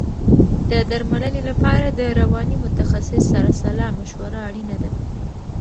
د درملنې لپاره د رواني متخصص سره سلا مشوره اړینه ده.